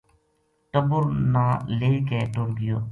ٹبر نا لے کے ٹر گیو